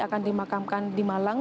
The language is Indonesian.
akan dimakamkan di malang